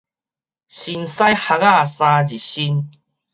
新屎礐仔三日新